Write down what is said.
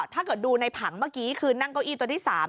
ถ้าเกิดดูในผังเมื่อกี้คือนั่งเก้าอี้ตัวที่๓